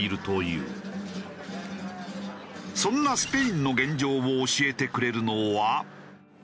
そんなスペインの現状を教えてくれるのは。